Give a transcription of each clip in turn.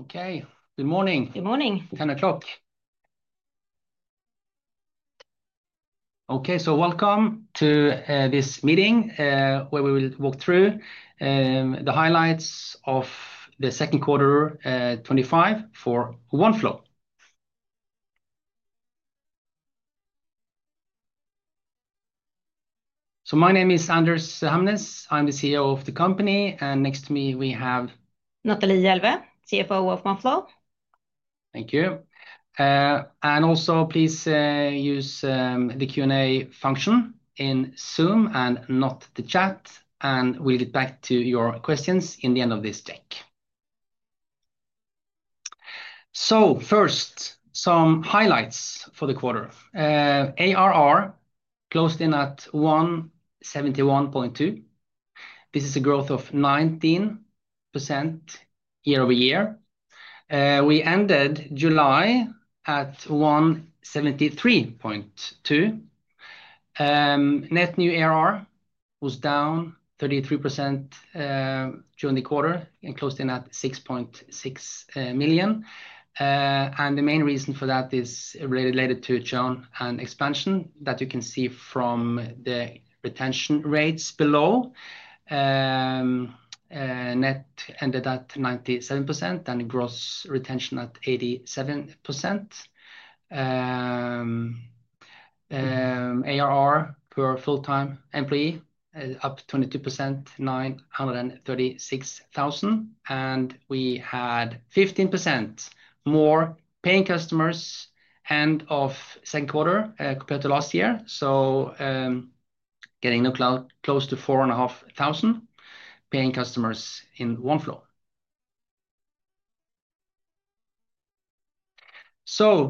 Okay, good morning. Good morning. 10:00 A.M. Okay. Welcome to this meeting, where we will walk through the highlights of the second quarter, 2025 for Oneflow. My name is Anders Hamnes. I'm the CEO of the company. Next to me, we have... Natalie Jelveh, CFO of Oneflow. Thank you. Also, please use the Q&A function in Zoom and not the chat. We'll get back to your questions at the end of this deck. First, some highlights for the quarter. ARR closed in at 171.2 million. This is a growth of 19% year-over-year. We ended July at 173.2 million. Net new ARR was down 33% during the quarter and closed in at 6.6 million. The main reason for that is related to churn and expansion that you can see from the retention rates below. Net retention ended at 97% and gross retention at 87%. ARR per full-time employee is up 22%, 936,000. We had 15% more paying customers at the end of the second quarter compared to last year, getting close to 4,500 paying customers in Oneflow.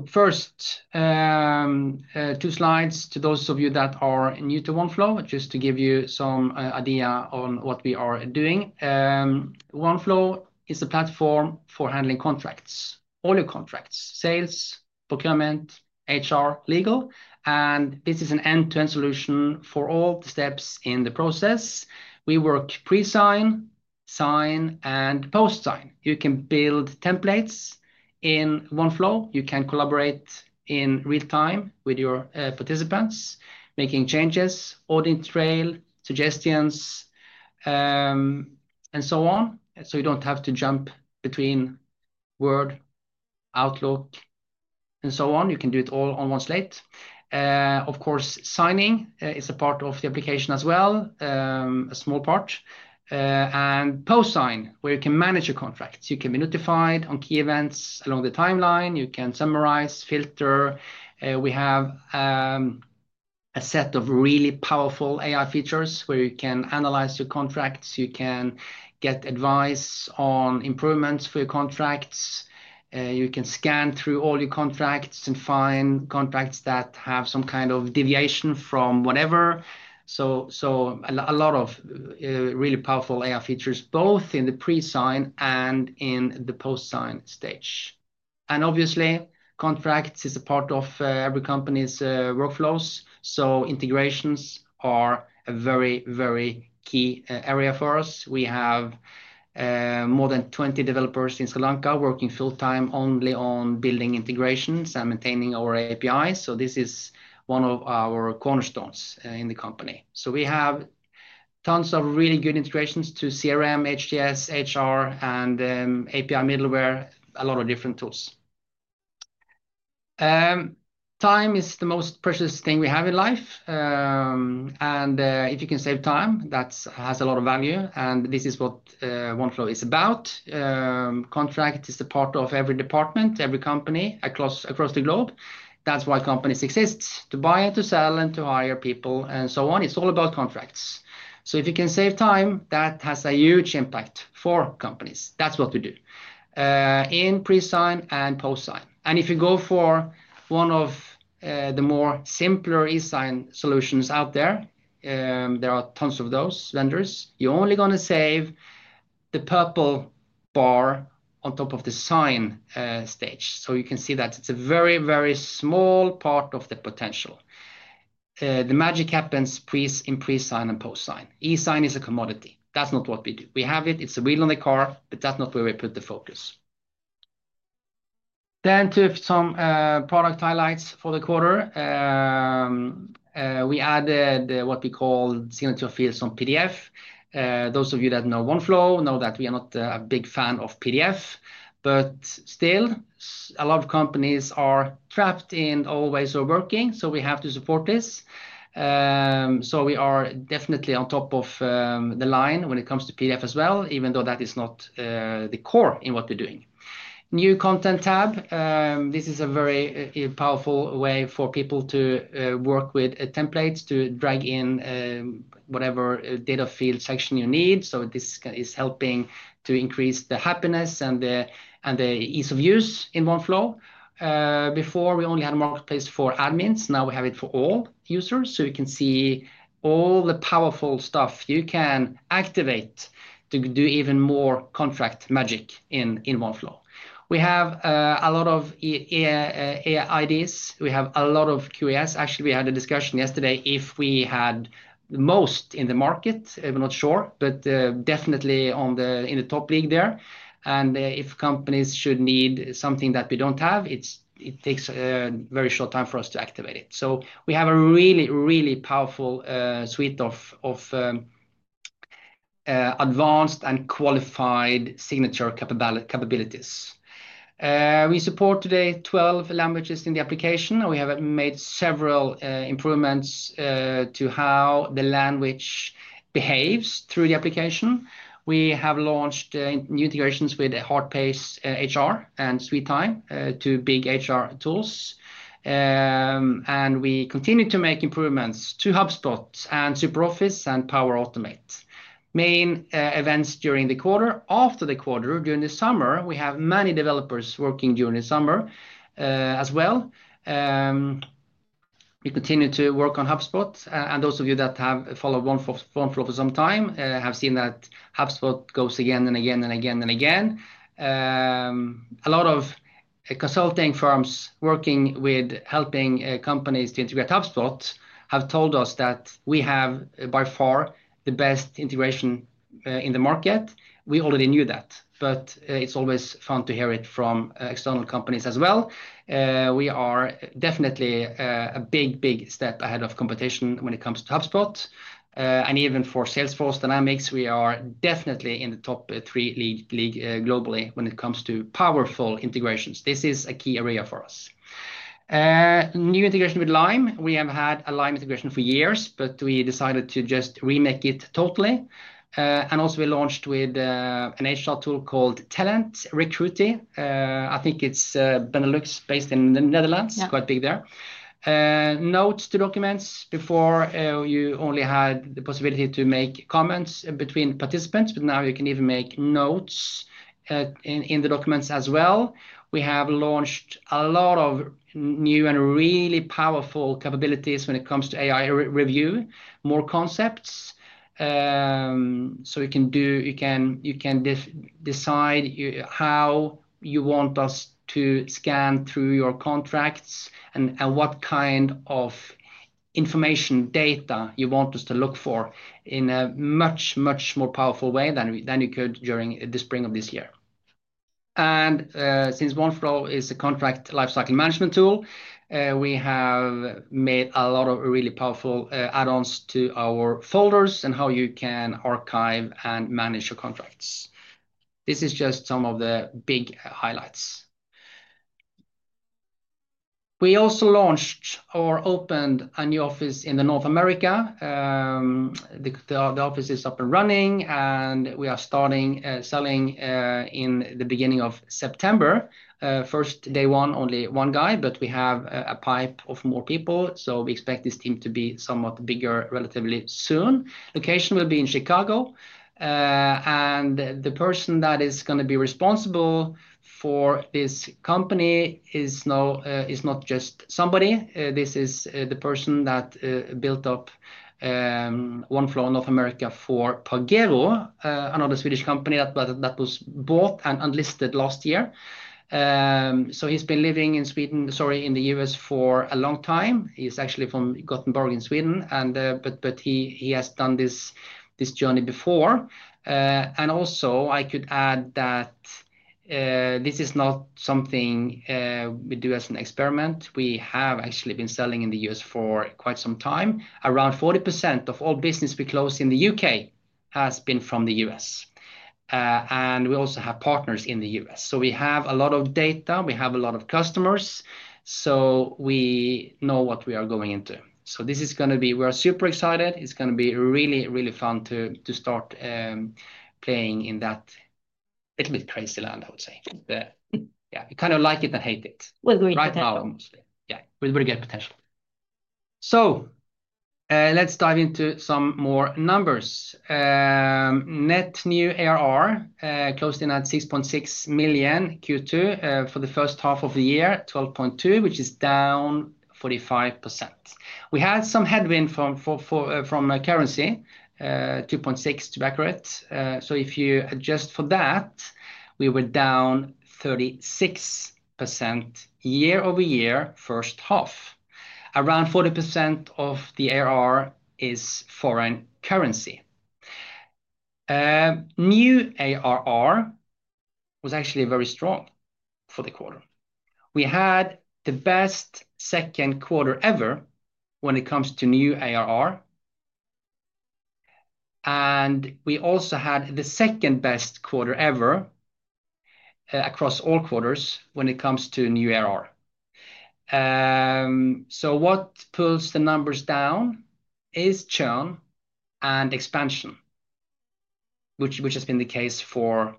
First, two slides to those of you that are new to Oneflow, just to give you some idea on what we are doing. Oneflow is a platform for handling contracts, all your contracts—sales, procurement, HR, legal. This is an end-to-end solution for all the steps in the process. We work pre-sign, sign, and post-sign. You can build templates in Oneflow. You can collaborate in real time with your participants, making changes, audit trail, suggestions, and so on. You don't have to jump between Word, Outlook, and so on. You can do it all on one slate. Of course, signing is a part of the application as well, a small part, and post-sign, where you can manage your contracts. You can be notified on key events along the timeline. You can summarize, filter. We have a set of really powerful AI features where you can analyze your contracts. You can get advice on improvements for your contracts. You can scan through all your contracts and find contracts that have some kind of deviation from whatever. A lot of really powerful AI features, both in the pre-sign and in the post-sign stage. Obviously, contracts are a part of every company's workflows. Integrations are a very, very key area for us. We have more than 20 developers in Sri Lanka working full-time only on building integrations and maintaining our API. This is one of our cornerstones in the company. We have tons of really good integrations to CRM, ATS systems, HRM, and API middleware, a lot of different tools. Time is the most precious thing we have in life. If you can save time, that has a lot of value. This is what Oneflow is about. Contract is a part of every department, every company across the globe. That's why companies exist, to buy and to sell and to hire people and so on. It's all about contracts. If you can save time, that has a huge impact for companies. That's what we do in pre-sign and post-sign. If you go for one of the more simple e-sign solutions out there, there are tons of those vendors. You're only going to save the purple bar on top of the sign stage. You can see that it's a very, very small part of the potential. The magic happens in pre-sign and post-sign. E-sign is a commodity. That's not what we do. We have it. It's a wheel on the car, but that's not where we put the focus. To some product highlights for the quarter, we added what we call signature fields on PDF. Those of you that know Oneflow know that we are not a big fan of PDF. Still, a lot of companies are trapped in always overworking. We have to support this. We are definitely on top of the line when it comes to PDF as well, even though that is not the core in what we're doing. New content tab. This is a very powerful way for people to work with templates to drag in whatever data field section you need. This is helping to increase the happiness and the ease of use in Oneflow. Before, we only had a marketplace for admins. Now we have it for all users. You can see all the powerful stuff you can activate to do even more contract magic in Oneflow. We have a lot of AI IDs. We have a lot of QAS. Actually, we had a discussion yesterday if we had the most in the market. We're not sure, but definitely in the top league there. If companies should need something that we don't have, it takes a very short time for us to activate it. We have a really, really powerful suite of advanced and qualified signature capabilities. We support today 12 languages in the application. We have made several improvements to how the language behaves through the application. We have launched new integrations with Heartpace HR and SwedeTime, two big HR tools. We continue to make improvements to HubSpot and SuperOffice and Power Automate. Main events during the quarter. After the quarter, during the summer, we have many developers working during the summer as well. We continue to work on HubSpot. Those of you that have followed Oneflow for some time have seen that HubSpot goes again and again and again and again. A lot of consulting firms working with helping companies to integrate HubSpot have told us that we have by far the best integration in the market. We already knew that. It's always fun to hear it from external companies as well. We are definitely a big, big step ahead of competition when it comes to HubSpot. Even for Salesforce Dynamics, we are definitely in the top three leagues globally when it comes to powerful integrations. This is a key area for us. New integration with LIME. We have had a LIME integration for years, but we decided to just remake it totally. Also, we launched with an HR tool called Talent Recruiter. I think it's Benelux, based in the Netherlands, quite big there. Notes to documents. Before, you only had the possibility to make comments between participants, but now you can even make notes in the documents as well. We have launched a lot of new and really powerful capabilities when it comes to AI Review, more concepts. You can decide how you want us to scan through your contracts and what kind of information data you want us to look for in a much, much more powerful way than you could during the spring of this year. Since Oneflow is a contract lifecycle management tool, we have made a lot of really powerful add-ons to our folders and how you can archive and manage your contracts. This is just some of the big highlights. We also launched or opened a new office in North America. The office is up and running, and we are starting selling in the beginning of September. First day one, only one guy, but we have a pipe of more people. We expect this team to be somewhat bigger relatively soon. Location will be in Chicago. The person that is going to be responsible for this company is not just somebody. This is the person that built up Oneflow North America for Pagero, another Swedish company that was bought and listed last year. He's been living in the U.S. for a long time. He's actually from Gothenburg in Sweden, but he has done this journey before. Also, I could add that this is not something we do as an experiment. We have actually been selling in the U.S. for quite some time. Around 40% of all business we close in the U.K. has been from the U.S. We also have partners in the U.S. We have a lot of data. We have a lot of customers. We know what we are going into. We are super excited. It's going to be really, really fun to start playing in that little bit crazy land, I would say. Yeah, we kind of like it and hate it. We're going to. Right now, mostly. Yeah, with very great potential. Let's dive into some more numbers. Net new ARR closed in at 6.6 million Q2. For the first half of the year, 12.2 million, which is down 45%. We had some headwind from currency, 2.6 million to be accurate. If you adjust for that, we were down 36% year-over-year first half. Around 40% of the ARR is foreign currency. New ARR was actually very strong for the quarter. We had the best second quarter ever when it comes to new ARR. We also had the second best quarter ever across all quarters when it comes to new ARR. What pulls the numbers down is churn and expansion, which has been the case for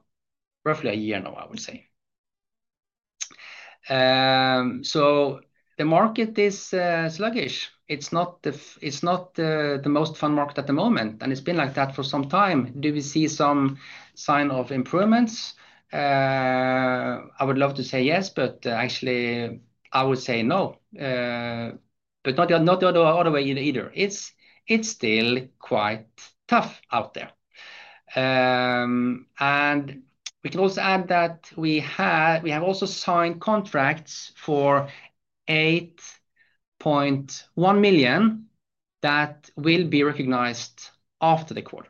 roughly a year now, I would say. The market is sluggish. It's not the most fun market at the moment. It's been like that for some time. Do we see some sign of improvements? I would love to say yes, but actually, I would say no. Not the other way either. It's still quite tough out there. We can also add that we have also signed contracts for 8.1 million that will be recognized after the quarter.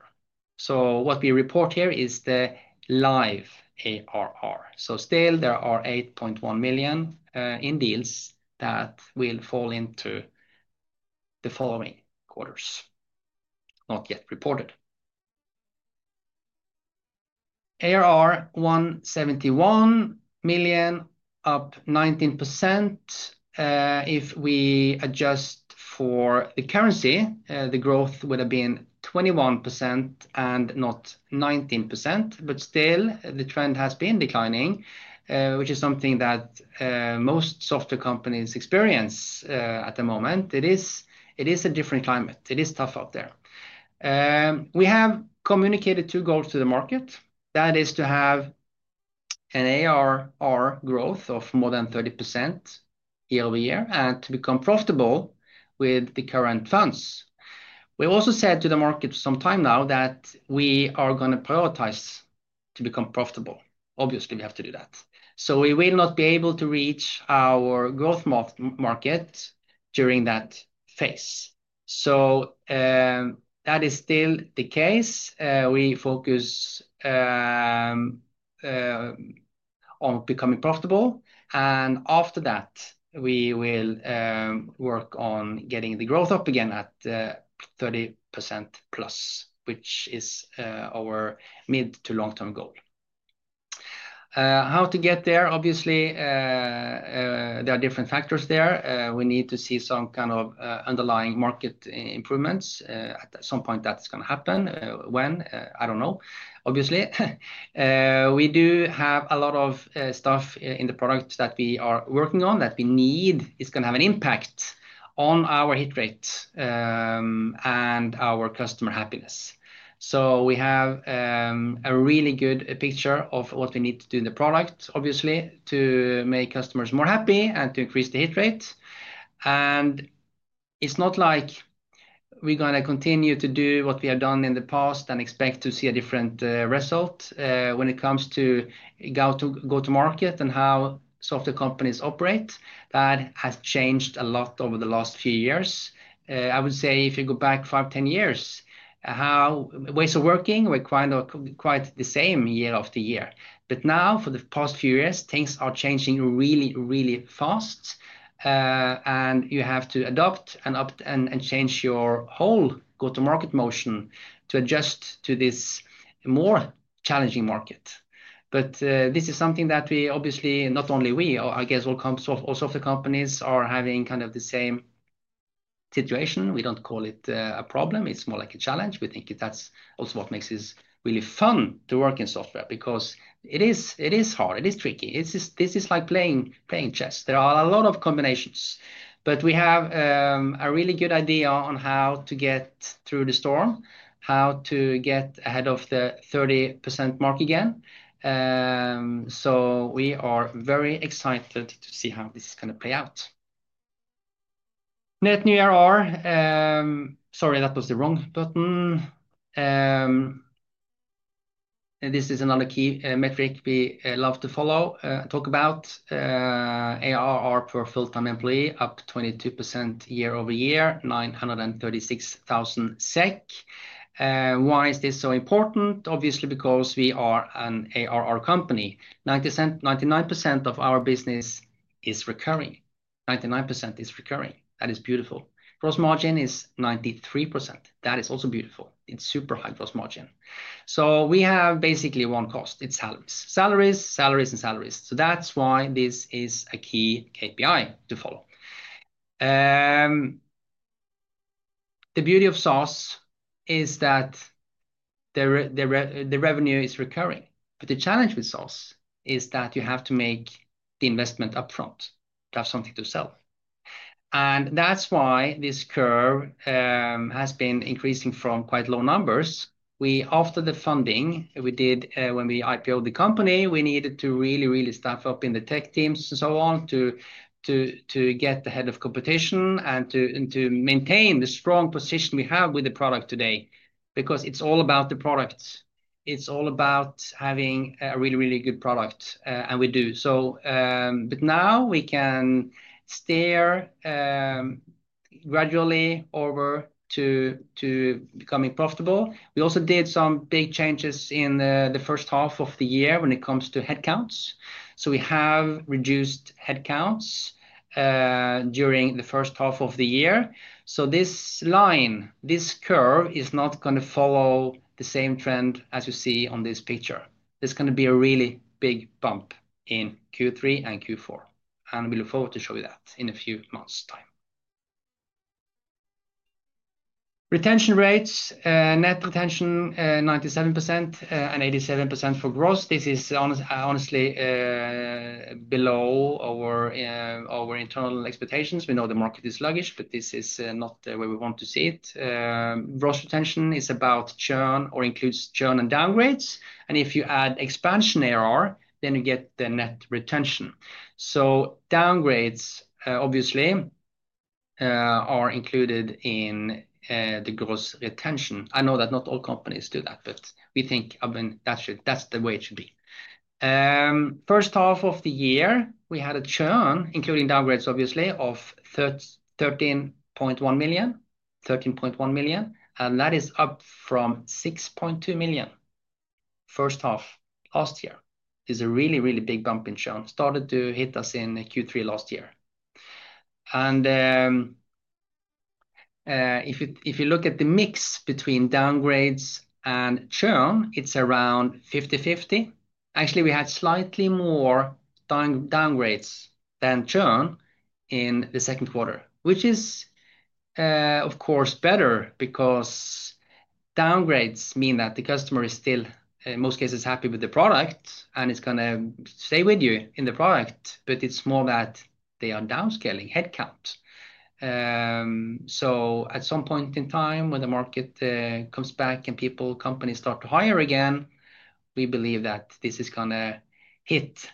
What we report here is the live ARR. There are 8.1 million in deals that will fall into the following quarters, not yet reported. ARR SEK 171 million, up 19%. If we adjust for the currency, the growth would have been 21% and not 19%. Still, the trend has been declining, which is something that most software companies experience at the moment. It is a different climate. It is tough out there. We have communicated two goals to the market. That is to have an ARR growth of more than 30% year-over-year and to become profitable with the current funds. We also said to the market for some time now that we are going to prioritize to become profitable. Obviously, we have to do that. We will not be able to reach our growth market during that phase. That is still the case. We focus on becoming profitable. After that, we will work on getting the growth up again at 30%+, which is our mid to long-term goal. How to get there? Obviously, there are different factors there. We need to see some kind of underlying market improvements. At some point, that's going to happen. When? I don't know. Obviously, we do have a lot of stuff in the products that we are working on that we need. It's going to have an impact on our hit rate and our customer happiness. We have a really good picture of what we need to do in the product, obviously, to make customers more happy and to increase the hit rate. It is not like we're going to continue to do what we have done in the past and expect to see a different result when it comes to go-to-market and how software companies operate. That has changed a lot over the last few years. I would say if you go back five, 10 years, ways of working were quite the same year after year. Now, for the past few years, things are changing really, really fast. You have to adapt and change your whole go-to-market motion to adjust to this more challenging market. This is something that we obviously, not only we, I guess all software companies are having kind of the same situation. We don't call it a problem. It's more like a challenge. We think that's also what makes it really fun to work in software because it is hard. It is tricky. This is like playing chess. There are a lot of combinations. We have a really good idea on how to get through the storm, how to get ahead of the 30% mark again. We are very excited to see how this is going to play out. Net new ARR. Sorry, that was the wrong button. This is another key metric we love to follow and talk about. ARR per full-time employee, up 22% year-over-year, 936,000 SEK. Why is this so important? Obviously, because we are an ARR company. 99% of our business is recurring. 99% is recurring. That is beautiful. Gross margin is 93%. That is also beautiful. It's super high gross margin. We have basically one cost. It's salaries, salaries, and salaries. That's why this is a key KPI to follow. The beauty of SaaS is that the revenue is recurring. The challenge with SaaS is that you have to make the investment upfront to have something to sell. That's why this curve has been increasing from quite low numbers. After the funding we did when we IPO'd the company, we needed to really, really staff up in the tech teams and so on to get ahead of competition and to maintain the strong position we have with the product today because it's all about the product. It's all about having a really, really good product. We do. Now we can steer gradually over to becoming profitable. We also did some big changes in the first half of the year when it comes to headcount. We have reduced headcount during the first half of the year. This line, this curve is not going to follow the same trend as you see on this picture. There is going to be a really big bump in Q3 and Q4. We look forward to show you that in a few months' time. Retention rates, net retention 97% and 87% for gross. This is honestly below our internal expectations. We know the market is sluggish, but this is not where we want to see it. Gross retention is about churn or includes churn and downgrades. If you add expansion ARR, then you get the net retention. Downgrades, obviously, are included in the gross retention. I know that not all companies do that, but we think that's the way it should be. First half of the year, we had a churn, including downgrades, obviously, of 13.1 million. That is up from 6.2 million first half last year. This is a really, really big bump in churn. Started to hit us in Q3 last year. If you look at the mix between downgrades and churn, it's around 50/50. Actually, we had slightly more downgrades than churn in the second quarter, which is, of course, better because downgrades mean that the customer is still, in most cases, happy with the product and is going to stay with you in the product. It's more that they are downscaling headcount. At some point in time, when the market comes back and companies start to hire again, we believe that this is going to hit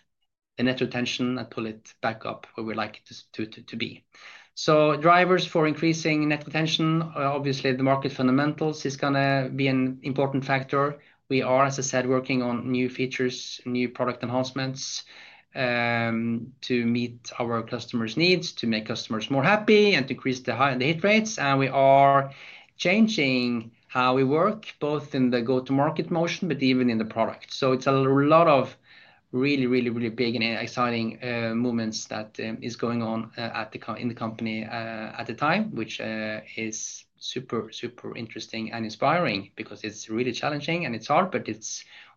the net retention and pull it back up where we like it to be. Drivers for increasing net retention, obviously, the market fundamentals is going to be an important factor. We are, as I said, working on new features, new product enhancements to meet our customers' needs, to make customers more happy and to increase the hit rates. We are changing how we work, both in the go-to-market motion, but even in the product. It's a lot of really, really, really big and exciting movements that are going on in the company at the time, which is super, super interesting and inspiring because it's really challenging and it's hard.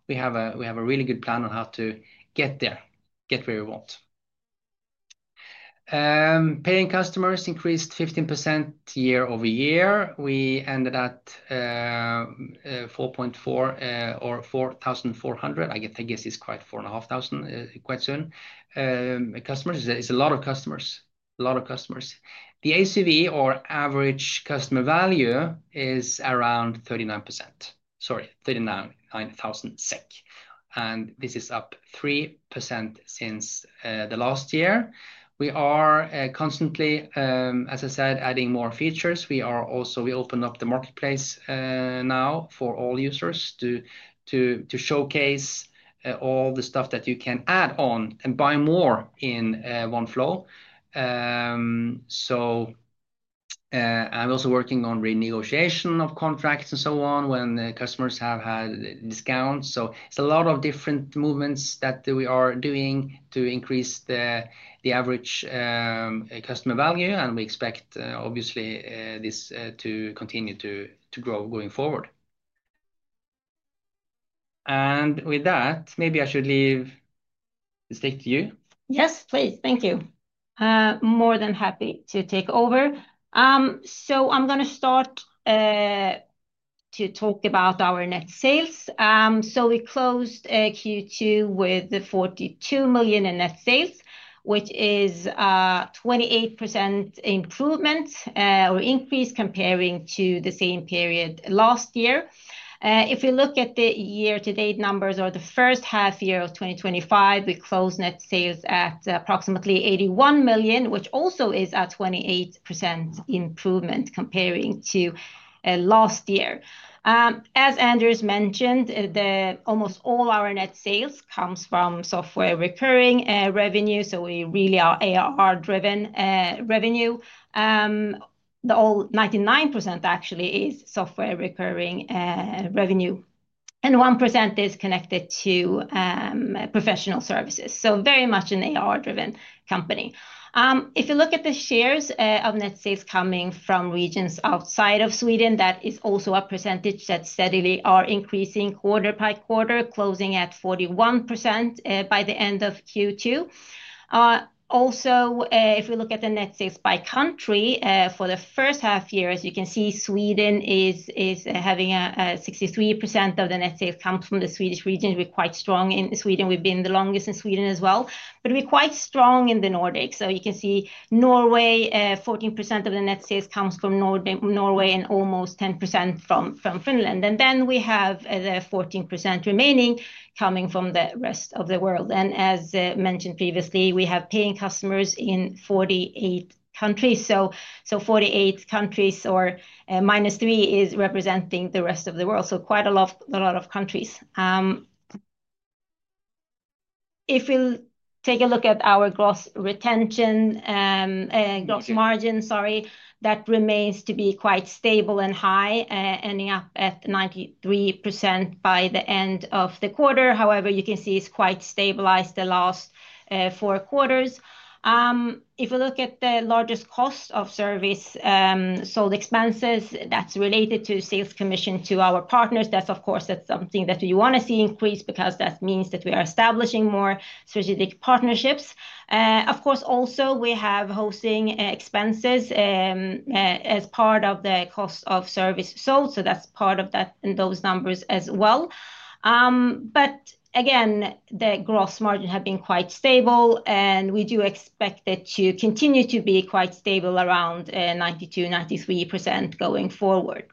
We have a really good plan on how to get there, get where we want. Paying customers increased 15% year-over-year. We ended at 4,400. I guess it's quite 4,500 quite soon. Customers, it's a lot of customers, a lot of customers. The ACV or average customer value is around 39,000 SEK. This is up 3% since the last year. We are constantly, as I said, adding more features. We also opened up the marketplace now for all users to showcase all the stuff that you can add on and buy more in Oneflow. I'm also working on renegotiation of contracts and so on when customers have had discounts. It is a lot of different movements that we are doing to increase the average customer value. We expect, obviously, this to continue to grow going forward. With that, maybe I should leave and stick to you. Yes, please. Thank you. More than happy to take over. I'm going to start to talk about our net sales. We closed Q2 with 42 million in net sales, which is a 28% improvement or increase comparing to the same period last year. If we look at the year-to-date numbers or the first half year of 2025, we closed net sales at approximately 81 million, which also is a 28% improvement comparing to last year. As Anders mentioned, almost all our net sales come from software recurring revenue. We really are ARR-driven revenue. The whole 99% actually is software recurring revenue, and 1% is connected to professional services. Very much an ARR-driven company. If you look at the shares of net sales coming from regions outside of Sweden, that is also a percentage that steadily is increasing quarter by quarter, closing at 41% by the end of Q2. If we look at the net sales by country for the first half year, you can see Sweden is having 63% of the net sales come from the Swedish region. We're quite strong in Sweden. We've been the longest in Sweden as well. We're quite strong in the Nordics. You can see Norway, 14% of the net sales comes from Norway and almost 10% from Finland. We have the 14% remaining coming from the rest of the world. As mentioned previously, we have paying customers in 48 countries. So 48 countries or -3 is representing the rest of the world. Quite a lot of countries. If we take a look at our gross retention, gross margin, sorry, that remains to be quite stable and high, ending up at 93% by the end of the quarter. You can see it's quite stabilized the last four quarters. If we look at the largest cost of service sold expenses, that's related to sales commission to our partners. That's, of course, something that we want to see increase because that means that we are establishing more strategic partnerships. Of course, also, we have hosting expenses as part of the cost of service sold. That's part of that in those numbers as well. Again, the gross margin has been quite stable. We do expect it to continue to be quite stable around 92%, 93% going forward.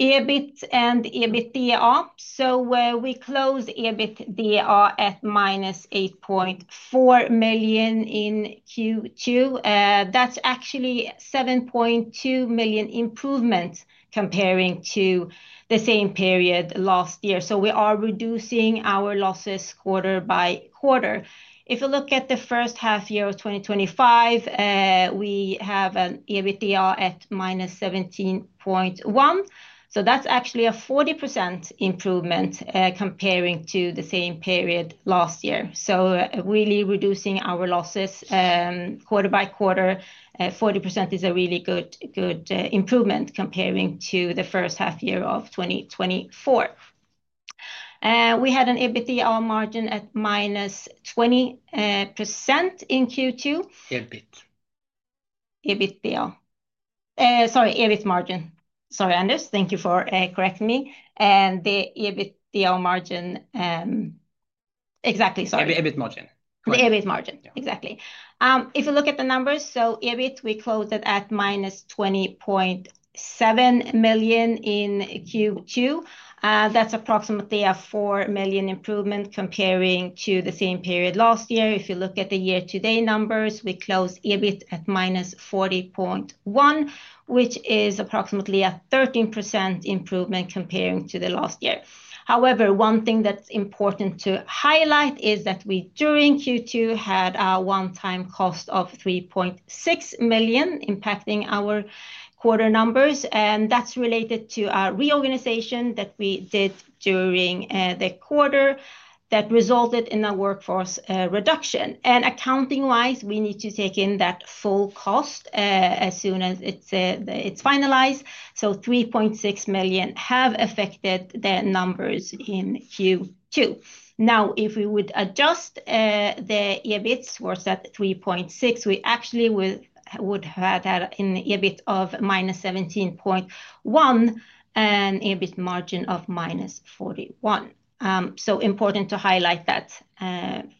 EBIT and EBITDA. We closed EBITDA at -8.4 million in Q2. That's actually 7.2 million improvements comparing to the same period last year. We are reducing our losses quarter by quarter. If you look at the first half year of 2025, we have an EBITDA at -17.1 million. That's actually a 40% improvement comparing to the same period last year. Really reducing our losses quarter by quarter, 40% is a really good improvement comparing to the first half year of 2024. We had an EBITDA margin at -20% in Q2. EBIT. EBIT margin. Sorry, Anders. Thank you for correcting me. The EBITDA margin, exactly, sorry. EBIT margin. The EBIT margin, exactly. If you look at the numbers, so EBIT, we closed it at -20.7 million in Q2. That's approximately a 4 million improvement comparing to the same period last year. If you look at the year-to-date numbers, we closed EBIT at -40.1 million, which is approximately a 13% improvement comparing to last year. However, one thing that's important to highlight is that we, during Q2, had a one-time cost of 3.6 million impacting our quarter numbers. That's related to a reorganization that we did during the quarter that resulted in a workforce reduction. Accounting-wise, we need to take in that full cost as soon as it's finalized. 3.6 million have affected the numbers in Q2. If we would adjust the EBIT towards that 3.6 million, we actually would have had an EBIT of -17.1 million and an EBIT margin of -41%. Important to highlight that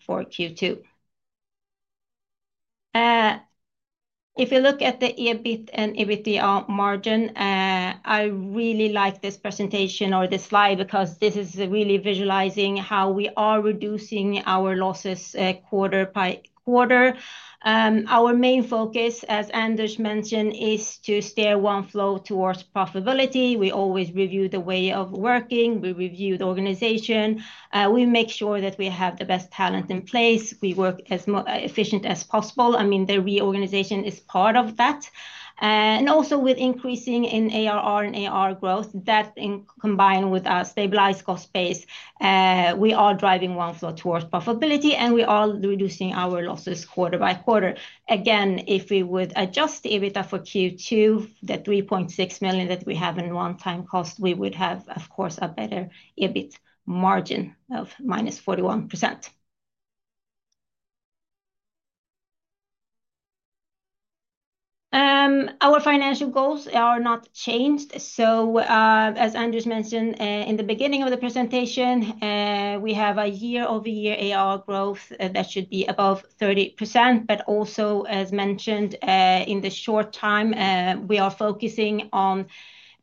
for Q2. If you look at the EBIT and EBITDA margin, I really like this presentation or this slide because this is really visualizing how we are reducing our losses quarter by quarter. Our main focus, as Anders mentioned, is to steer Oneflow towards profitability. We always review the way of working. We review the organization. We make sure that we have the best talent in place. We work as efficiently as possible. The reorganization is part of that. Also, with increasing in ARR and ARR growth, that combined with a stabilized cost base, we are driving Oneflow towards profitability and we are reducing our losses quarter by quarter. Again, if we would adjust the EBITDA for Q2, the 3.6 million that we have in one-time cost, we would have, of course, a better EBIT margin of -41%. Our financial goals are not changed. As Anders mentioned in the beginning of the presentation, we have a year-over-year ARR growth that should be above 30%. Also, as mentioned, in the short time, we are focusing on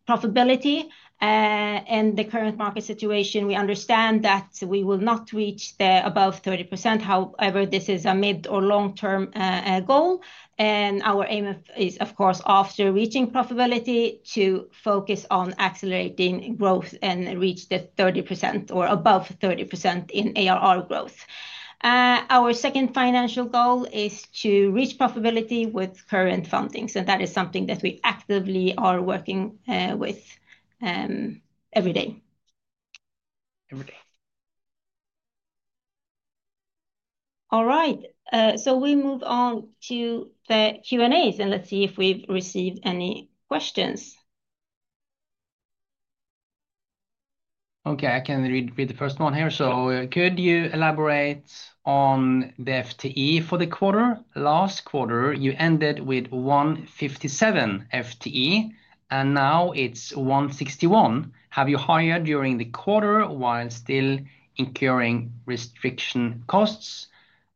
profitability. The current market situation, we understand that we will not reach above 30%. However, this is a mid or long-term goal. Our aim is, of course, after reaching profitability, to focus on accelerating growth and reach the 30% or above 30% in ARR growth. Our second financial goal is to reach profitability with current funding. That is something that we actively are working with every day. Every day. All right. We move on to the Q&As, and let's see if we've received any questions. Okay. I can read the first one here. Could you elaborate on the FTE for the quarter? Last quarter, you ended with 157 FTE and now it's 161. Have you hired during the quarter while still incurring restructuring costs?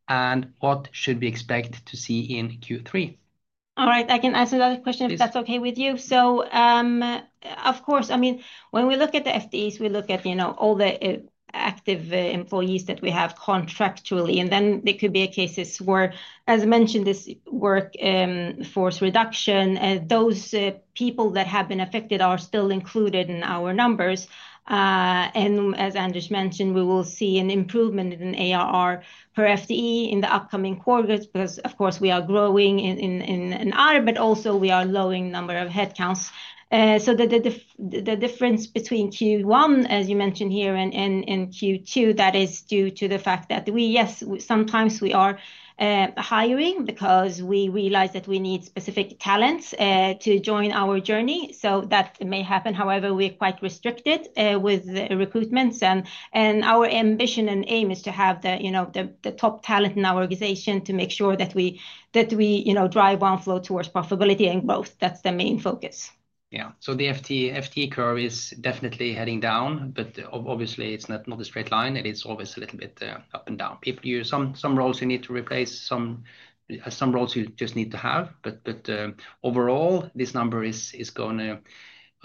What should we expect to see in Q3? All right. I can answer that question if that's okay with you. Of course, I mean, when we look at the FTEs, we look at all the active employees that we have contractually. There could be cases where, as I mentioned, this workforce reduction, those people that have been affected are still included in our numbers. As Anders mentioned, we will see an improvement in ARR per FTE in the upcoming quarters because, of course, we are growing in ARR, but also we are lowering the number of headcount. The difference between Q1, as you mentioned here, and Q2 is due to the fact that, yes, sometimes we are hiring because we realize that we need specific talents to join our journey. That may happen. However, we are quite restricted with recruitments. Our ambition and aim is to have the top talent in our organization to make sure that we drive Oneflow towards profitability and growth. That's the main focus. Yeah. The FTE curve is definitely heading down, but obviously, it's not a straight line, and it's always a little bit up and down. People use some roles you need to replace, some roles you just need to have. Overall, this number is going to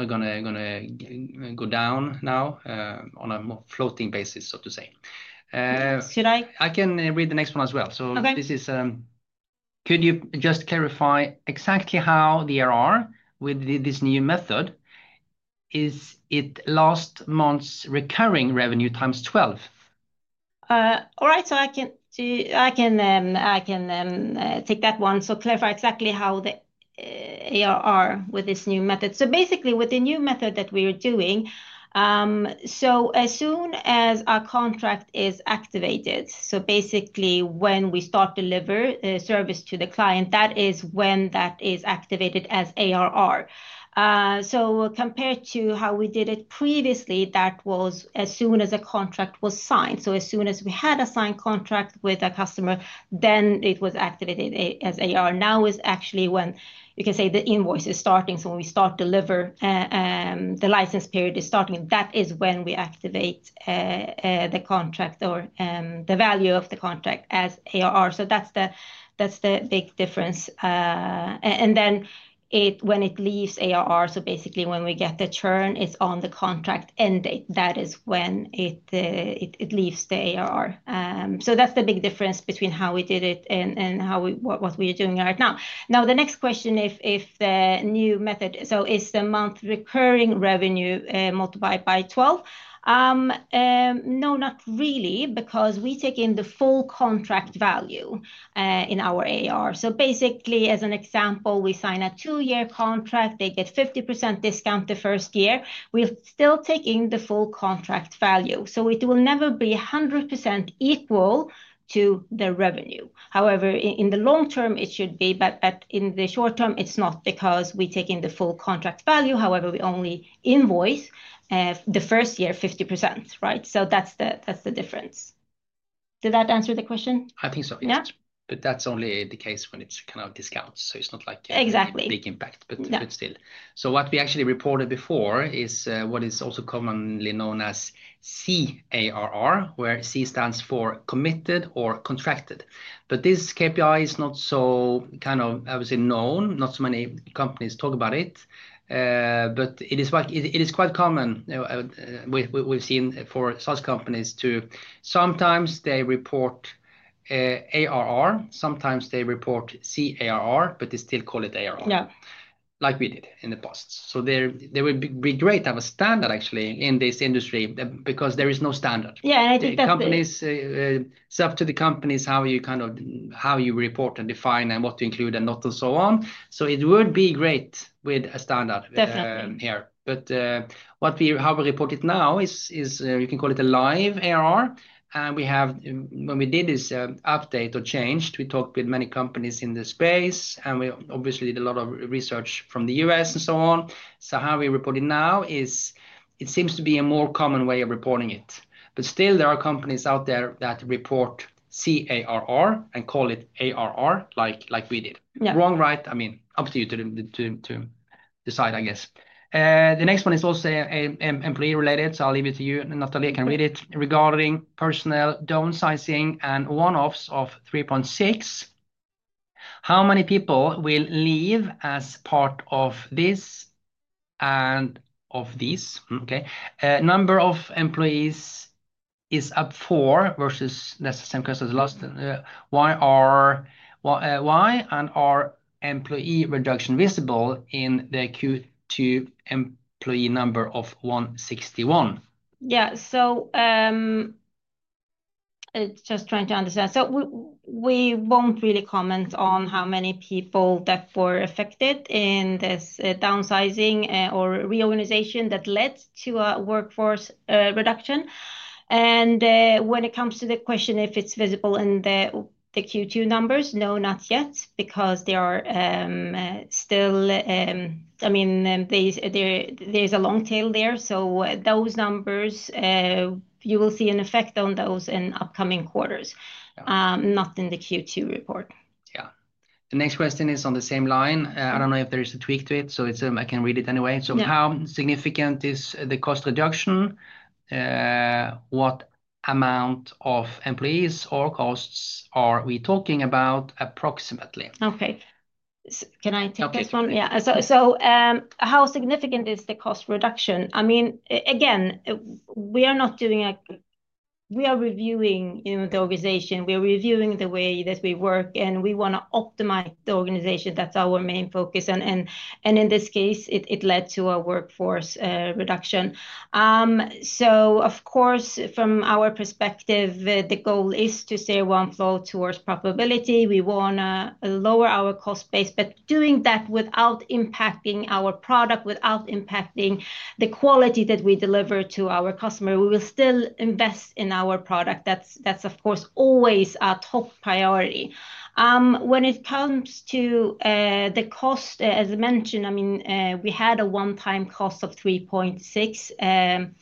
go down now on a floating basis, so to say. Should I? I can read the next one as well. Could you just clarify exactly how the ARR with this new method, is it last month's recurring revenue x12? All right. I can take that one. To clarify exactly how the ARR works with this new method, basically, with the new method that we are doing, as soon as our contract is activated, when we start to deliver service to the client, that is when it is activated as ARR. Compared to how we did it previously, that was as soon as a contract was signed. As soon as we had a signed contract with a customer, then it was activated as ARR. Now it is actually when you can say the invoice is starting. When we start to deliver, the license period is starting. That is when we activate the contract or the value of the contract as ARR. That is the big difference. When it leaves ARR, when we get the churn, it is on the contract end date. That is when it leaves the ARR. That is the big difference between how we did it and what we are doing right now. The next question, if the new method is the month recurring revenue multiplied by 12. No, not really, because we take in the full contract value in our ARR. As an example, we sign a two-year contract. They get 50% discount the first year. We will still take in the full contract value. It will never be 100% equal to the revenue. However, in the long term, it should be, but in the short term, it is not because we take in the full contract value. However, we only invoice the first year 50%, right? That is the difference. Did that answer the question? I think so, yes. That's only the case when it's kind of discount. It's not like a big impact, but still. What we actually reported before is what is also commonly known as CARR, where C stands for committed or contracted. This KPI is not so kind of, I would say, known. Not so many companies talk about it. It is quite common. We've seen for SaaS companies that sometimes they report ARR, sometimes they report CARR, but they still call it ARR, like we did in the past. It would be great to have a standard, actually, in this industry because there is no standard. Yeah, I did that. It's up to the companies how you kind of how you report and define and what to include and not and so on. It would be great with a standard here. What we how we report it now is you can call it a live ARR. We have when we did this update or changed, we talked with many companies in this space. We obviously did a lot of research from the U.S. and so on. How we report it now is it seems to be a more common way of reporting it. Still, there are companies out there that report CARR and call it ARR like we did. Wrong, right? I mean, up to you to decide, I guess. The next one is also employee-related. I'll leave it to you, Natalie. I can read it regarding personnel downsizing and one-offs of 3.6 million. How many people will leave as part of this and of this? Number of employees is up four versus that's the same case as the last. Why are employee reduction visible in the Q2 employee number of 161? It's just trying to understand. We won't really comment on how many people were affected in this downsizing or reorganization that led to a workforce reduction. When it comes to the question if it's visible in the Q2 numbers, no, not yet, because there is still, I mean, there's a long tail there. Those numbers, you will see an effect on those in upcoming quarters, not in the Q2 report. Yeah. The next question is on the same line. I don't know if there is a tweak to it. I can read it anyway. How significant is the cost reduction? What amount of employees or costs are we talking about approximately? Okay, can I take this one? Yes. Yeah. How significant is the cost reduction? We are not doing a, we are reviewing the organization. We are reviewing the way that we work, and we want to optimize the organization. That's our main focus. In this case, it led to a workforce reduction. Of course, from our perspective, the goal is to steer Oneflow towards profitability. We want to lower our cost base, but doing that without impacting our product, without impacting the quality that we deliver to our customer. We will still invest in our product. That's, of course, always a top priority. When it comes to the cost, as I mentioned, we had a one-time cost of 3.6 million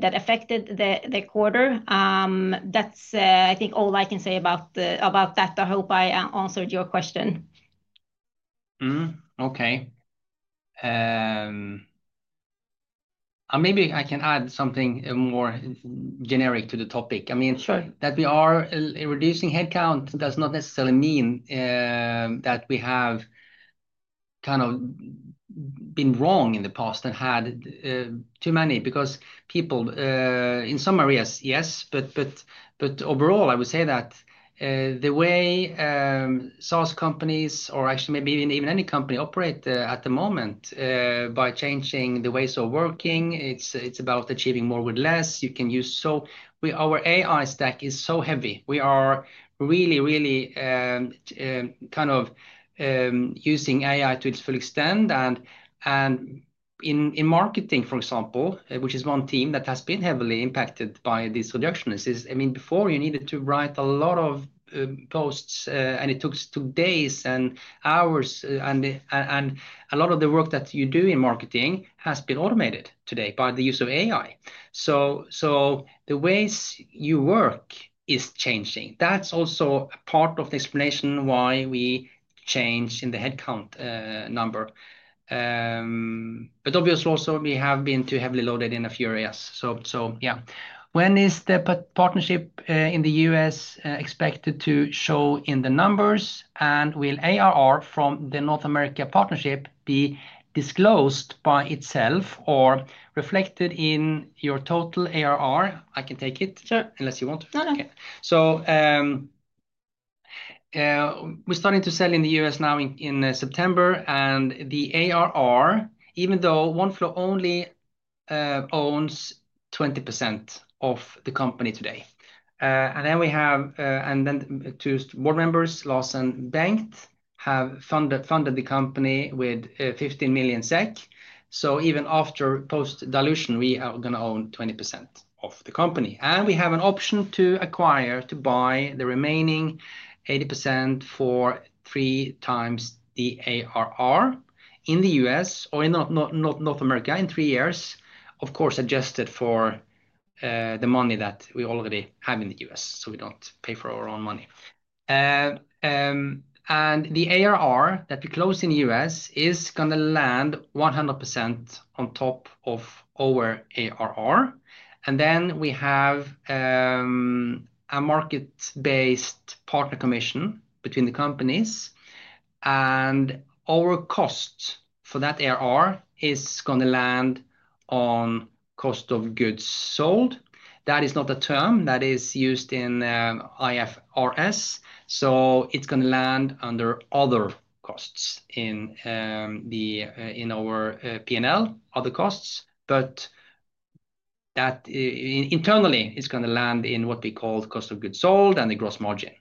that affected the quarter. That's, I think, all I can say about that. I hope I answered your question. Okay. Maybe I can add something more generic to the topic. I mean, that we are reducing headcount does not necessarily mean that we have kind of been wrong in the past and had too many people in some areas, yes. Overall, I would say that the way SaaS companies, or actually maybe even any company, operates at the moment by changing the ways of working, it's about achieving more with less. You can use, so our AI stack is so heavy. We are really, really kind of using AI to its full extent. In marketing, for example, which is one team that has been heavily impacted by this reduction, I mean, before you needed to write a lot of posts, and it took days and hours. A lot of the work that you do in marketing has been automated today by the use of AI. The ways you work is changing. That's also a part of the explanation why we change in the headcount number. Obviously, also, we have been too heavily loaded in a few areas. Yeah. When is the partnership in the U.S. expected to show in the numbers? Will ARR from the North America partnership be disclosed by itself or reflected in your total ARR? I can take it unless you want to. No, no. Okay. We're starting to sell in the U.S. now in September. The ARR, even though Oneflow only owns 20% of the company today. Two board members, Larsen and Bengt, have funded the company with 15 million SEK. Even after post-dilution, we are going to own 20% of the company. We have an option to acquire, to buy the remaining 80% for 3x the ARR in the U.S. or in North America in three years, of course, adjusted for the money that we already have in the U.S. so we don't pay for our own money. The ARR that we close in the U.S. is going to land 100% on top of our ARR. We have a market-based partner commission between the companies. Our cost for that ARR is going to land on cost of goods sold. That is not a term that is used in IFRS. It's going to land under other costs in our P&L, other costs. Internally, it's going to land in what we call cost of goods sold and the gross margin.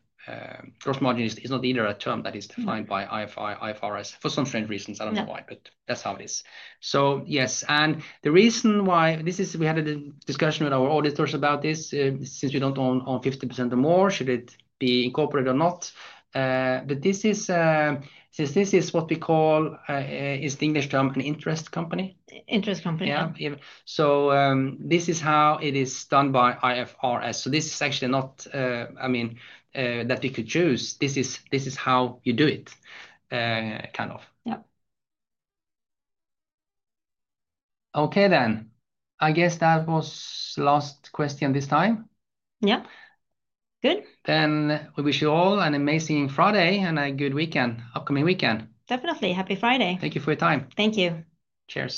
Gross margin is not either a term that is defined by IFRS for some strange reasons. I don't know why, but that's how it is. The reason why this is, we had a discussion with our auditors about this. Since we don't own 50% or more, should it be incorporated or not? Since this is what we call, is the English term an interest company? Interest company. Yeah, this is how it is done by IFRS. This is actually not, I mean, that we could choose. This is how you do it, kind of. Yeah. Okay then, I guess that was the last question this time. Yeah. Good. We wish you all an amazing Friday and a good upcoming weekend. Definitely. Happy Friday. Thank you for your time. Thank you. Cheers.